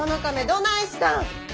どないしたん？